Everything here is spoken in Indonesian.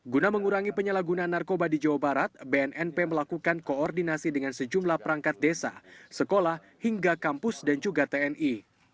guna mengurangi penyalahgunaan narkoba di jawa barat bnnp melakukan koordinasi dengan sejumlah perangkat desa sekolah hingga kampus dan juga tni